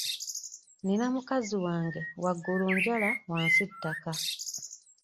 Nina mukazi wange, waggulu njala wansi ttaka.